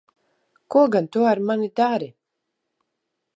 Ko gan tu ar mani dari?